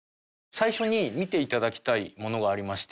最初に見て頂きたいものがありまして。